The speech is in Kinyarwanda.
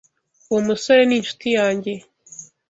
Uwo musore ni inshuti yanjye